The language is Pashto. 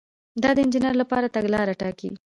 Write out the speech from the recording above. دا د انجینر لپاره تګلاره ټاکي.